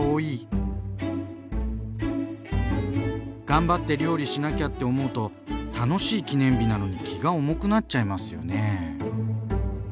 頑張って料理しなきゃって思うと楽しい記念日なのに気が重くなっちゃいますよね。